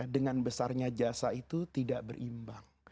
dengan besarnya jasa itu tidak berimbang